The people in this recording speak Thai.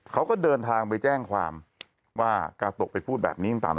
เขาก็เดินทางไปแจ้งความว่ากาโตะไปพูดแบบนี้ต่าง